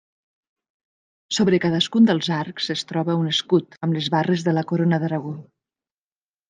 Sobre cadascun dels arcs es troba un escut amb les barres de la Corona d'Aragó.